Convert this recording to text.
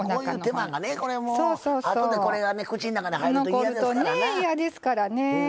あとで口の中に入ると嫌ですからな。